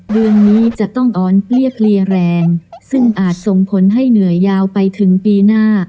เดือนนี้จะต้องอ่อนเปรี้ยเพลียแรงซึ่งอาจส่งผลให้เหนื่อยยาวไปถึงปีหน้า